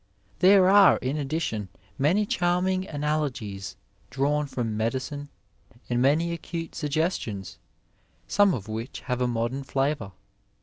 There are, in addition, many charming analogies drawn from medicine, and many acute suggestions, some of which have a modem flavour.